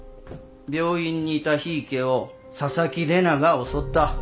病院にいた檜池を紗崎玲奈が襲った。